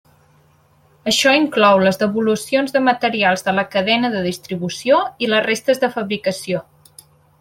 Això inclou les devolucions de materials de la cadena de distribució i les restes de fabricació.